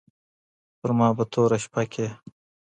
پر ما به توره شپه کړې